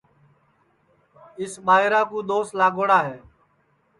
اِس ٻائیرا کُو دؔوس لاگوڑا ہے